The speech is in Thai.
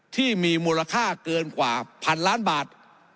ที่มีมูลค่าเกินกว่าพันล้านบาท